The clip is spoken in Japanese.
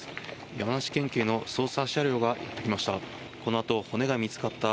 山梨県警の捜査車両が行きました。